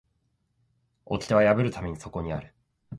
掟は破るためにそこにある